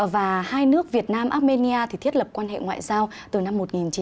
và hai nước việt nam armenia thì thiết lập quan hệ ngoại giao từ năm một nghìn chín trăm tám mươi